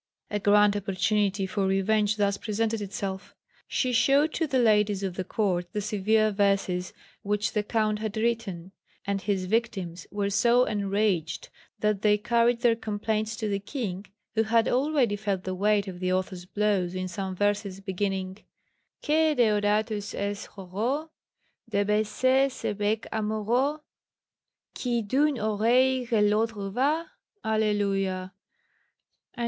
A grand opportunity for revenge thus presented itself. She showed to the ladies of the Court the severe verses which the Count had written; and his victims were so enraged that they carried their complaints to the King, who had already felt the weight of the author's blows in some verses beginning: "Que Deodatus est heureux De baiser ce bec amoureux, Qui, d'une oreille à l'autre va. Alléluia," etc.